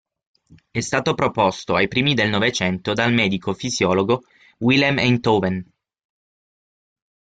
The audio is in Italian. È stato proposto ai primi del Novecento dal medico fisiologo Willem Einthoven.